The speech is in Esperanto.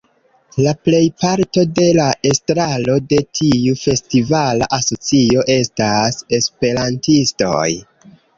La plejparto de la estraro de tiu festivala asocio estas Esperantistoj.